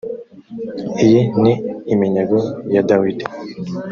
iyi ni iminyago ya dawidi